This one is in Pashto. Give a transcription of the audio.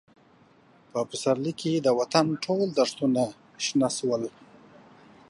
په پسرلي کې د وطن ټول دښتونه شنه شول.